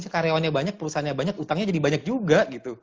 karyawannya banyak perusahaannya banyak utangnya jadi banyak juga gitu